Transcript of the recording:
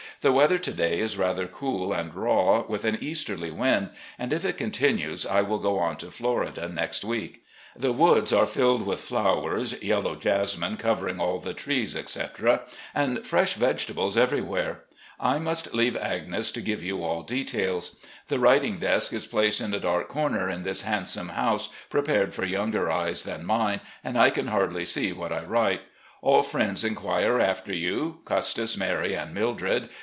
The weather to day is rather cool and raw, with an easterly wind, and if it con tinues I will go on to Florida next week. The woods are filled with flowers, yellow jasmine covering all the trees, THE SOUTHERN TRIP 391 etc., and fresh vegetables ever3rwhere. I must leave Agnes to give you all details. The writing desk is placed in a dark comer in this handsome house, prepared for younger eyes than mine, and I can hardly see what I write. All friends inquire after you, Custis, Mary, and Mildred.